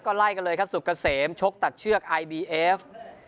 ไล่กันเลยครับสุกเกษมชกตัดเชือกไอบีเอฟ